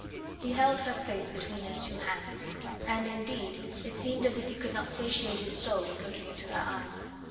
He held her face between his two hands, and indeed it seemed as if he could not satiate his soul with looking into her eyes.